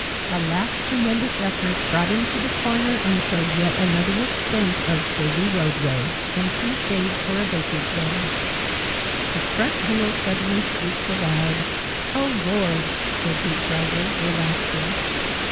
A last tremendous effort brought him to the corner and showed yet another extent of shady roadway, empty save for a baker's van. His front wheel suddenly shrieked aloud. "Oh Lord!" said Hoopdriver, relaxing.